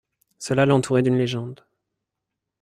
Cela l’entourait d’une légende.